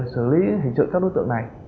xử lý hình sự các đối tượng này